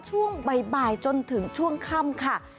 ช่วงบ่ายจนถึงช่วงค่ำค่ะ